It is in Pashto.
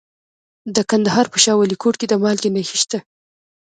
د کندهار په شاه ولیکوټ کې د مالګې نښې شته.